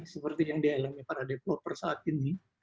seperti yang dialami para developer saat ini